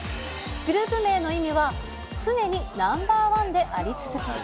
グループ名の意味は、常にナンバー１であり続ける。